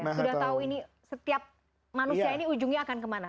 sudah tahu ini setiap manusia ini ujungnya akan kemana